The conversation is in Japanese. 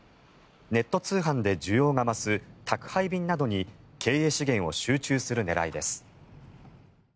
ネット通販で需要が増す宅配便などに経営資源を集中する狙いです。